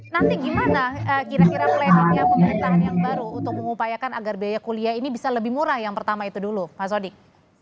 nanti gimana kira kira planningnya pemerintahan yang baru untuk mengupayakan agar biaya kuliah ini bisa lebih murah yang pertama itu dulu pak sodik